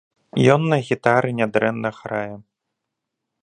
Ён на гітары нядрэнна грае.